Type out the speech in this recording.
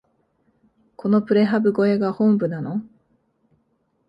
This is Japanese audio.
このプレハブ小屋が本部なの？